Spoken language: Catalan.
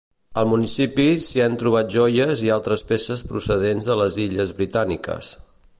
Al municipi s'hi han trobat joies i altres peces procedents de les Illes Britàniques.